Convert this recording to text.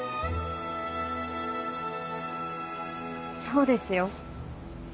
そうですよ。